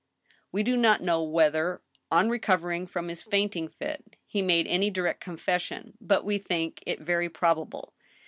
" We do not know whether, on recovering from his fainting fit, he made any direct confession ; but we think it very probable.